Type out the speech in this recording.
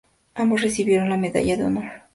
Ambos recibieron la Medalla de Honor.